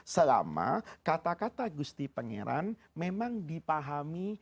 selama kata kata gusti pangeran memang dipahami